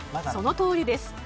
そのとおりです。